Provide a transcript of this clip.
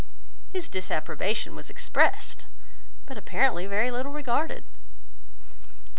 His disapprobation was expressed, but apparently very little regarded.